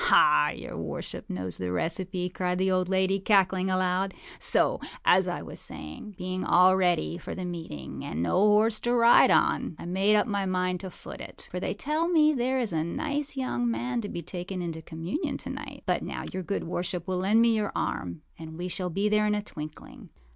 âAh, your worship knows the recipe,â cried the old lady, cackling aloud. âSo, as I was saying, being all ready for the meeting, and no horse to ride on, I made up my mind to foot it; for they tell me there is a nice young man to be taken into communion to night. But now your good worship will lend me your arm, and we shall be there in a twinkling.